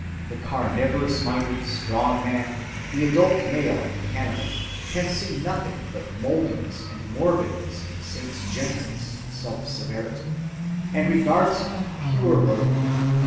The carnivorous‐minded "strong man," the adult male and cannibal, can see nothing but mouldiness and morbidness in the saint's gentleness and self‐ severity, and regards him with pure loathing.